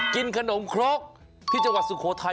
กินขนมครกที่จังหวัดสุโขทัย